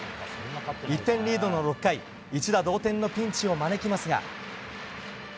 １点リードの６回一打同点のピンチを招きますが。